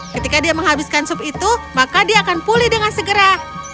ketika dia menghabiskan sup itu maka dia akan pulih dengan segera